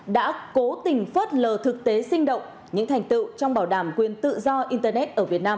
đã cố tình phớt lờ thực tế sinh động những thành tựu trong bảo đảm quyền tự do internet ở việt nam